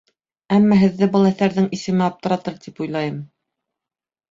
Әммә һеҙҙе был әҫәрҙең исеме аптыратыр, тип уйлайым.